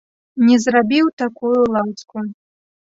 Не зрабіў такую ласку.